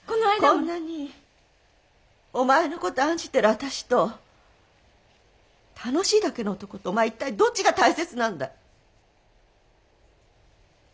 こんなにお前の事案じてる私と楽しいだけの男とお前は一体どっちが大切なんだい？